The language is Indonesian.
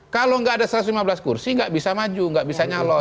kalau nggak ada satu ratus lima belas kursi gak bisa maju nggak bisa nyalon